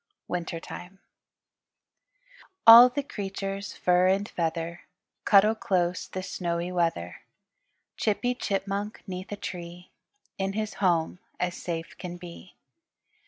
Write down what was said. WINTER TIME All the creatures, fur and feather, Cuddle close this snowy weather; Chippy Chipmunk 'neath a tree In his home as safe can be.